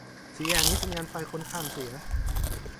สี่แยกนี้สัญญาณไฟคนข้ามเสีย